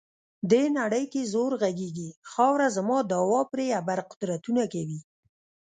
دې نړۍ کې زور غږیږي، خاوره زما دعوه پرې ابر قدرتونه کوي.